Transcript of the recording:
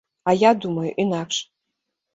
А я думаю інакш.